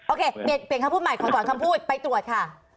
โอเคเปลี่ยนคำพูดใหม่ขอถอนคำพูดไปตรวจค่ะ